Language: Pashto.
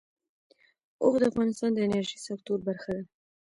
اوښ د افغانستان د انرژۍ سکتور برخه ده.